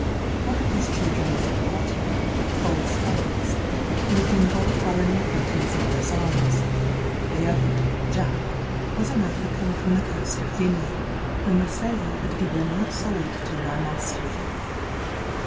One of these children was a mulatto, called Cyrus, who had been bought while an infant in his mother's arms; the other, Jack, was an African from the coast of Guinea, whom a sailor had given or sold to my master.